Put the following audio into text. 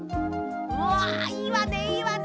うわいいわねいいわね。